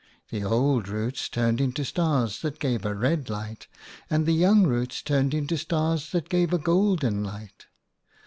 The old roots turned into stars that gave a red light, and the young roots turned into stars that gave a golden light.